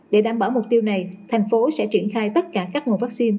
để đảm bảo mục tiêu này thành phố sẽ triển khai tất cả các nguồn vaccine